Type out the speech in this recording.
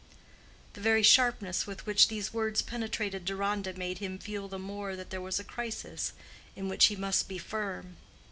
_" The very sharpness with which these words penetrated Deronda made him feel the more that here was a crisis in which he must be firm.